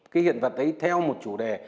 cái hiện vật ấy theo một chủ đề